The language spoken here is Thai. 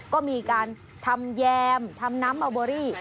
ก็มีการทำแยมทำน้ำเมาเบอรี่